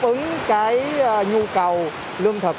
đáp ứng cái nhu cầu lương thực